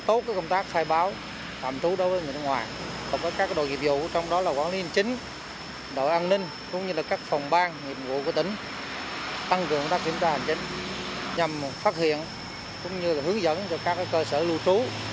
tăng cường các kiểm tra hành chính nhằm phát hiện cũng như hướng dẫn cho các cơ sở lưu trú